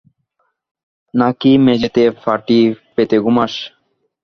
নাকি মেঝেতে পাটি পেতে ঘুমাস?